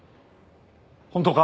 本当か？